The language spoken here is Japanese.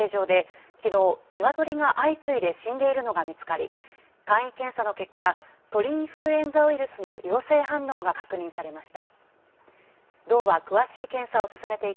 市の養鶏場できのう、ニワトリが相次いで死んでいるのが見つかり、簡易検査の結果、鳥インフルエンザの陽性反応が確認されました。